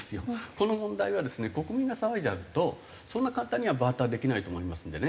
この問題はですね国民が騒いじゃうとそんな簡単にはバーターできないと思いますのでね。